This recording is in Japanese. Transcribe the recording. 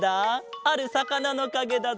あるさかなのかげだぞ。